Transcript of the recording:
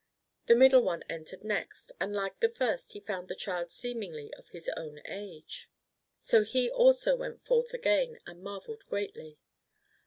The middle one entered next, and like the first he found the Child seemingly of his own age ; so he aiso went forth again and marvelled greatly.